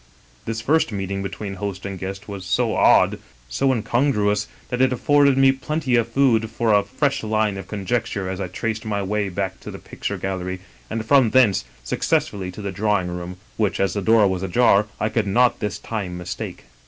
" This first meeting between host and guest was so odd, so incongruous, that it afforded me plenty of food for a 121 English Mystery Stories fresh line of conjecture as I traced my way back to the picture gallery, and from thence successfully to the drawing room, which, as the door was ajar, I could not this time mistake.